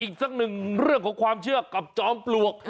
อีกสักหนึ่งเรื่องของความเชื่อกับจอมปลวก